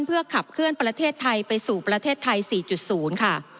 เพื่อขับเคลื่อนประเทศไทยไปสู่ประเทศไทย๔๐ค่ะ